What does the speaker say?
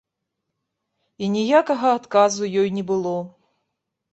І ніякага адказу ёй не было.